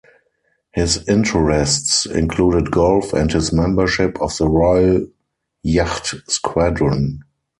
His interests included golf and his membership of the Royal Yacht Squadron.